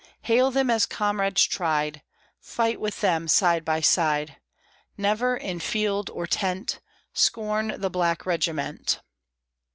Hail them as comrades tried; Fight with them side by side; Never, in field or tent, Scorn the black regiment!